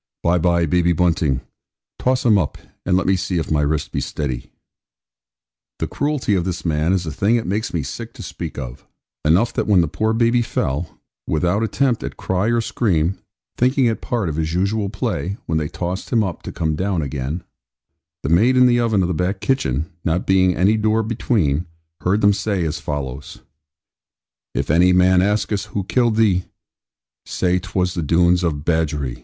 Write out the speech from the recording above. Bye, bye, baby Bunting; toss him up, and let me see if my wrist be steady.' The cruelty of this man is a thing it makes me sick to speak of; enough that when the poor baby fell (without attempt at cry or scream, thinking it part of his usual play, when they tossed him up, to come down again), the maid in the oven of the back kitchen, not being any door between, heard them say as follows, 'If any man asketh who killed thee, Say 'twas the Doones of Bagworthy.' Always pronounced 'Badgery.'